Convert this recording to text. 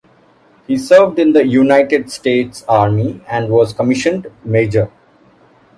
He served in the United States Army and was commissioned major.